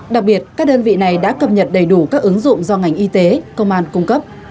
đặc biệt các đơn vị này đã cập nhật đầy đủ các ứng dụng do ngành y tế công an cung cấp